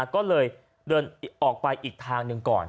ก็เลยเดินออกไปอีกทางหนึ่งก่อน